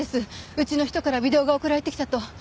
うちの人からビデオが送られてきたと。